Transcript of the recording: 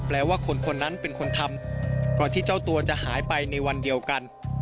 แล้วว่าคนคนนั้นเป็นคนทำก่อนที่เจ้าตัวจะหายไปในวันเดียวกัน